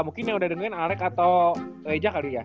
mungkin yang udah dengerin alec atau leja kali ya